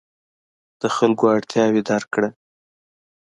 د خلکو اړتیاوې درک کړه.